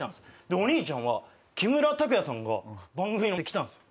お兄ちゃんは木村拓哉さんが番組に来たんですよ。